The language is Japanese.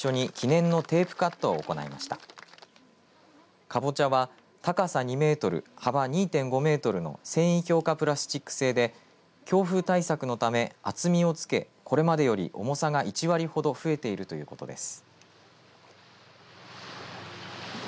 南瓜は、高さ２メートル幅２．５メートルの繊維強化プラスチック製で強風対策のため、厚みをつけこれまでより重さが１割ほど増えているということです。